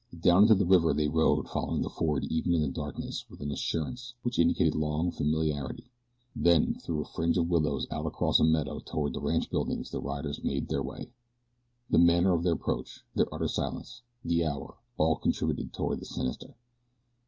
Down into the river they rode following the ford even in the darkness with an assurance which indicated long familiarity. Then through a fringe of willows out across a meadow toward the ranch buildings the riders made their way. The manner of their approach, their utter silence, the hour, all contributed toward the sinister.